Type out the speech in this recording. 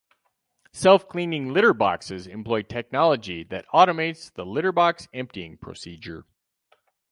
Self-cleaning litter boxes employ technology that automates the litter box emptying procedure.